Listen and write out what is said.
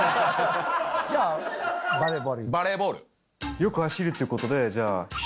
よく走るってことでじゃあ。